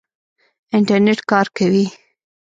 انټرنېټ کار کوي؟